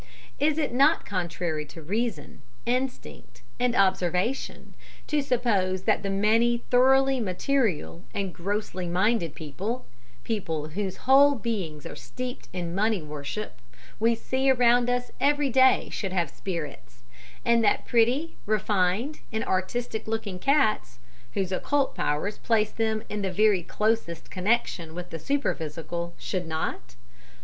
Is it not contrary to reason, instinct, and observation to suppose that the many thoroughly material and grossly minded people people whose whole beings are steeped in money worship we see around us every day should have spirits, and that pretty, refined and artistic looking cats, whose occult powers place them in the very closest connection with the superphysical, should not?